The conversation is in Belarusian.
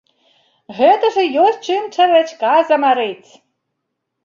Гэта ж і ёсць чым чарвячка замарыць!